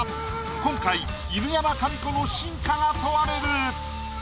今回犬山紙子の真価が問われる！